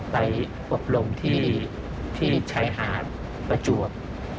อบรมที่ชายหาดประจวบ